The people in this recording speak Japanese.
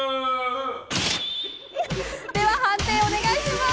判定、お願いします。